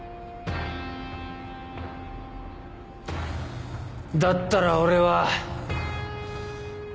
だったら俺は。